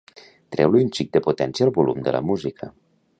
Treu-li un xic de potència al volum de la música.